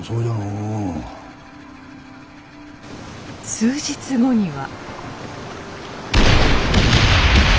数日後には。